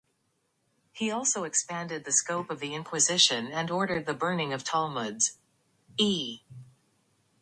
He also expanded the scope of the Inquisition and ordered the burning of Talmuds.